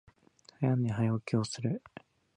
早寝、早起きをする。